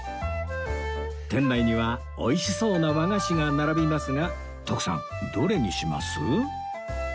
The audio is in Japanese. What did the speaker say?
店内には美味しそうな和菓子が並びますが徳さんどれにします？